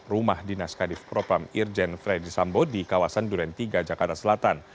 rumah dinas kadif propam irjen freddy sambo di kawasan duren tiga jakarta selatan